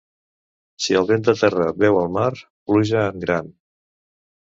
Si el vent de terra veu el mar, pluja en gran.